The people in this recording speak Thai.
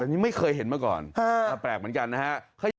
อันนี้ไม่เคยเห็นมาก่อนแปลกเหมือนกันนะฮะ